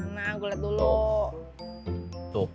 nah gue liat dulu